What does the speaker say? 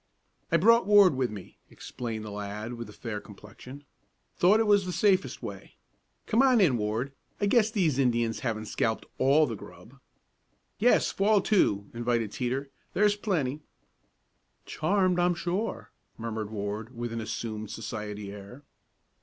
"I brought Ward with me," explained the lad with the fair complexion. "Thought it was the safest way. Come on in, Ward; I guess these Indians haven't scalped all the grub." "Yes, fall to," invited Teeter. "There's plenty." "Charmed, I'm sure," murmured Ward with an assumed society air.